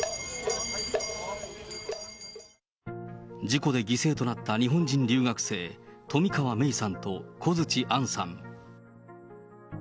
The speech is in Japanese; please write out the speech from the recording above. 事故で犠牲となった日本人留学生、冨川芽生さんと小槌杏さん。